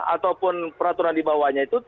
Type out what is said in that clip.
ataupun peraturan di bawahnya itu